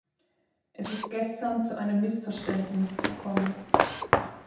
Es ist gestern zu einem Missverständnis gekommen.